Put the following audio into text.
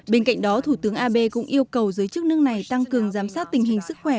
bên cạnh đó thủ tướng abe cũng yêu cầu giới chức nước này tăng cường giám sát tình hình sức khỏe